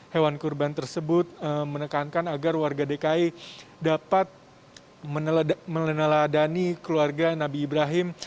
hewan kurban tersebut menekankan agar warga dki dapat meneladani keluarga nabi ibrahim